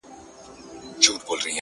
o که ژوند راکوې،